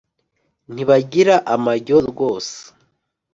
ntibagira amajyo rwose